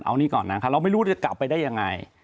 เอานี่ก่อนนะคะเราไม่รู้จะกลับไปได้ยังไง